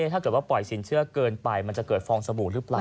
ถ้าเกิดว่าปล่อยสินเชื่อเกินไปมันจะเกิดฟองสบู่หรือเปล่า